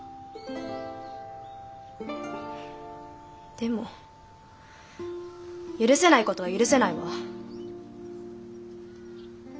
でも許せない事は許せないわ。